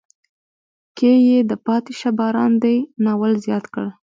کې یې د پاتې شه باران دی ناول زیات کړ.